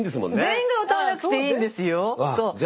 全員が歌わなくていいんですよ。